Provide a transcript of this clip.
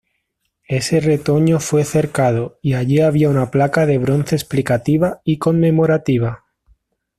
Ese retoño fue cercado y allí había una placa de bronce explicativa y conmemorativa.